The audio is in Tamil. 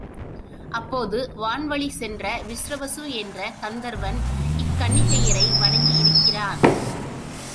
அப்போது வான்வழிச் சென்ற விஸ்ரவசு என்ற கந்தர்வன் இக் கன்னிகையரை வணங்கியிருக்கிறான்.